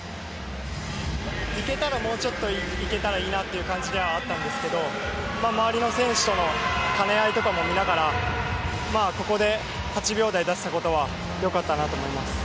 いけたらもうちょっといけたらいいなという感じではあったんですけど周りの選手との兼ね合いも見ながらここで８秒台を出せたことは良かったなと思います。